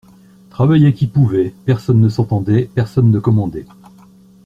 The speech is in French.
Travaillait qui pouvait, personne ne s’entendait, personne ne commandait.